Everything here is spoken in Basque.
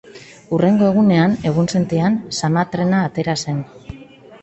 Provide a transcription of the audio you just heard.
Hurrengo egunean, egunsentian, zama-trena atera zen.